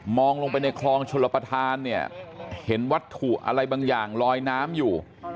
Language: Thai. มองลงไปในคลองชนลปทานเห็นวัตถุอะไรบางอย่างลอยน้ำอยู่